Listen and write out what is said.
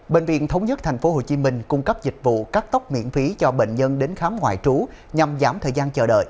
bệnh viện thống nhất tp hcm cung cấp dịch vụ cắt tóc miễn phí cho bệnh nhân đến khám ngoại trú nhằm giảm thời gian chờ đợi